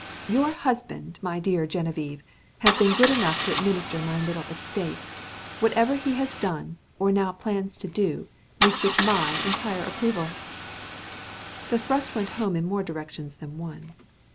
"Your husband, my dear Geneviève, has been good enough to administer my little estate. Whatever he has done, or now plans to do, meets with my entire approval." The thrust went home in more directions than one.